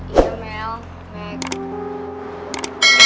iya mel meg